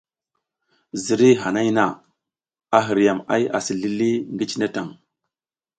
Ziriy hanay na, a hiriyam ay asi zlili ngi cine tan.